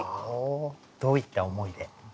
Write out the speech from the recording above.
どういった思いで？